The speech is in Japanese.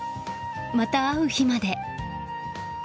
また会う日まで！